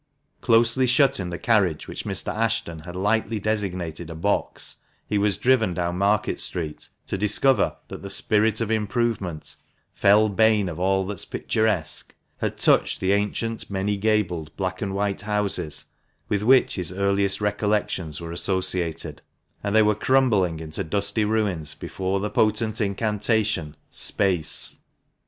Closely shut in the carriage which Mr. Ashton had lightly designated a box, he was driven down Market Street, to discover that the Spirit of Improvement, "fell bane of all that's picturesque," had touched the ancient, many gabled, black and white houses with which his earliest recollections were associated, and they were crumbling into dusty ruins before the potent incantation " Space."